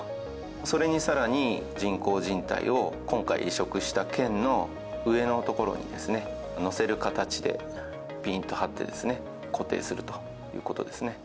それにさらに、人工じん帯を今回移植したけんの上の所にですね、のせる形で、ぴんと張ってですね、固定するということですね。